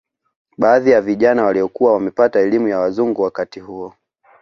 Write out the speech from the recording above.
Baadhi ya Vijana waliokuwa wamepata elimu ya wazungu wakati huo